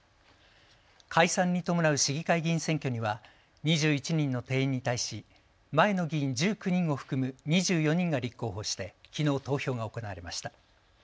解散に伴う市議会議員選挙には２１人の定員に対し前の議員１９人を含む２４人が立候補してきのう投票が行われました。